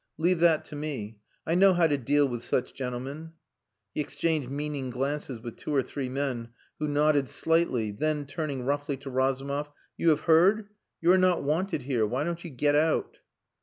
Leave that to me. I know how to deal with such gentlemen." He exchanged meaning glances with two or three men, who nodded slightly, then turning roughly to Razumov, "You have heard? You are not wanted here. Why don't you get out?"